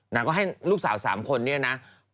ก็ให้ลูกสาว๓คนเนี่ยนะ